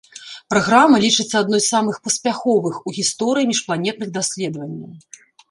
Праграма лічыцца адной з самых паспяховых у гісторыі міжпланетных даследаванняў.